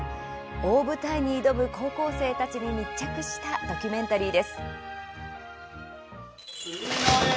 大舞台に挑む高校生たちに密着したドキュメンタリーです。